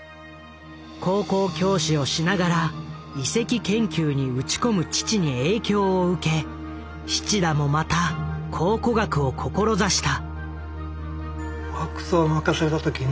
高校教師をしながら遺跡研究に打ち込む父に影響を受け七田もまた考古学を志した。